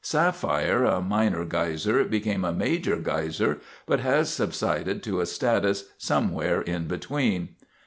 Sapphire, a minor geyser, became a major geyser, but has subsided to a status somewhere in between.